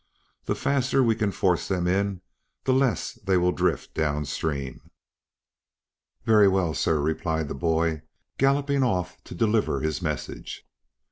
The faster we can force them in the less they will drift down stream." "Very well, sir," replied the boy, galloping off to deliver his message.